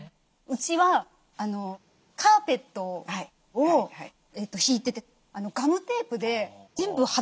うちはカーペットを敷いててガムテープで全部貼ってるんですよ。